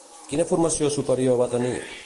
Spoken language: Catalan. Quina formació superior va tenir?